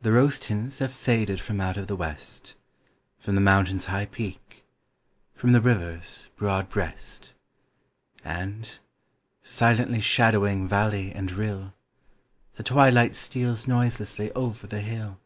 The rose tints have faded from out of the West, From the Mountain's high peak, from the river's broad breast. And, silently shadowing valley and rill, The twilight steals noiselessly over the hill.